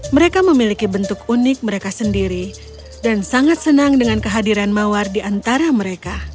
mereka memiliki bentuk unik mereka sendiri dan sangat senang dengan kehadiran mawar di antara mereka